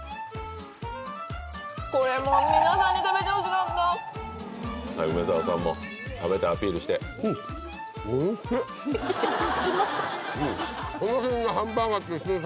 これも梅沢さんも食べてアピールしてうん美味しい！